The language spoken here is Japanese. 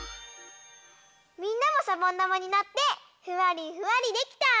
みんなもしゃぼんだまになってふわりふわりできた？